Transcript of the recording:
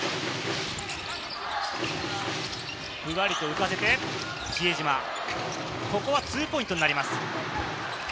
ふわりと浮かせて比江島、ここはツーポイントになります。